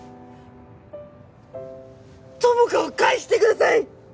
友果を返してください！